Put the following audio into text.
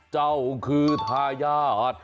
เจ้าคือทายาท